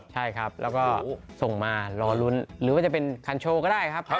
ใช่ครับแล้วก็ส่งมารอลุ้นหรือว่าจะเป็นคันโชว์ก็ได้ครับ